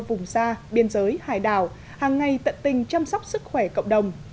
vùng xa biên giới hải đảo hàng ngày tận tình chăm sóc sức khỏe cộng đồng